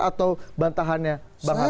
atau bantahannya bang habib